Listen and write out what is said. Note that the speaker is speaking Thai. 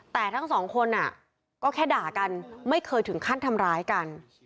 แต่ทั้งสองคนก็แค่ด่ากันไม่เคยถึงขั้นทำร้ายกัน